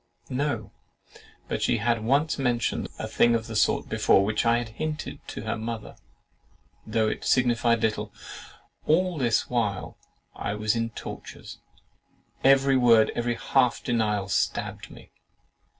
"No; but she had once mentioned a thing of the sort, which I had hinted to her mother, though it signified little." All this while I was in tortures. Every word, every half denial, stabbed me.